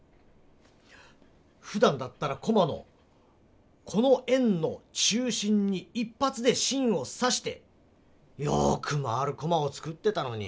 ふだんだったらコマのこの円の中心に一ぱつでしんをさしてよく回るコマを作ってたのに。